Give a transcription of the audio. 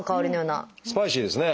スパイシーですね。